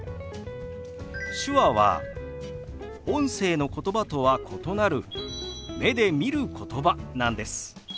手話は音声のことばとは異なる目で見ることばなんです。